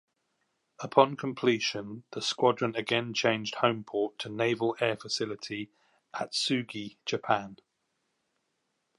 Upon completion, the squadron again changed homeport to Naval Air Facility Atsugi, Japan.